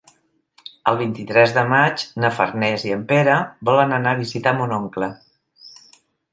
El vint-i-tres de maig na Farners i en Pere volen anar a visitar mon oncle.